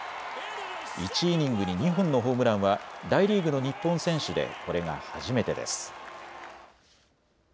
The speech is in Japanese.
１イニングに２本のホームランは大リーグの日本選手でこれが初めてです。